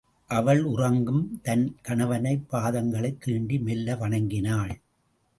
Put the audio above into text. அவள், உறங்கும் தன் கணவன் பாதங்களைத் தீண்டி மெல்ல வணங்கினாள்.